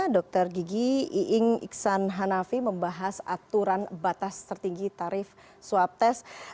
dokter gigi iing iksan hanafi membahas aturan batas tertinggi tarif swab tes